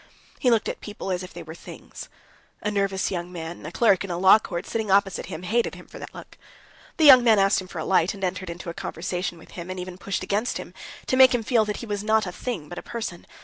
He looked at people as if they were things. A nervous young man, a clerk in a law court, sitting opposite him, hated him for that look. The young man asked him for a light, and entered into conversation with him, and even pushed against him, to make him feel that he was not a thing, but a person.